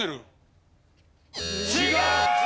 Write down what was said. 違う！